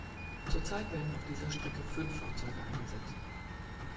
Zurzeit werden auf dieser Strecke fünf Fahrzeuge eingesetzt.